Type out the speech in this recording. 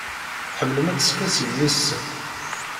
Tḥemmlem ad teskasim yid-sent?